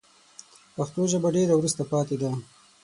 پښتو ژبه ډېره وروسته پاته ده